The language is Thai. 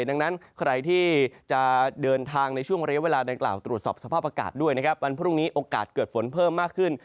ดังนั้นใครที่จะเดินทางในช่วงระยะเวลาดังกล่าวตรวจสอบสภาพอากาศด้วยนะครับวันพรุ่งนี้โอกาสเกิดฝนเพิ่มมากขึ้น